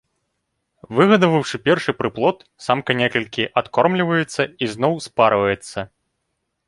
Выгадаваўшы першы прыплод, самка некалькі адкормліваецца і зноў спарваецца.